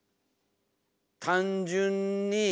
単純に。